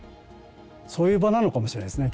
そういう場なのかもしれないですね